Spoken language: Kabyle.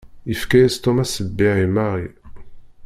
Yefka-yas Tom aṣebbiɛ i Mary.